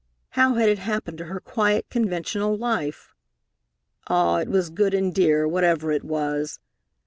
How had it happened to her quiet, conventional life? Ah, it was good and dear, whatever it was!